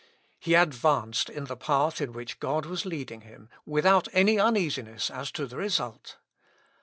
He advanced in the path in which God was leading him, without any uneasiness as to the result.